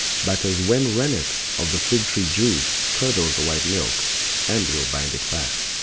But as when rennet of the fig tree juice Curdles the white milk, and will bind it fast.